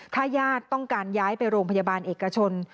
ถ้าญาติต้องการย้ายไปโรงพยาบาลเอกชน